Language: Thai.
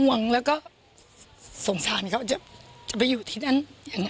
ห่วงและสงสารไหมเขาจะไปอยู่ที่นั้นยังไง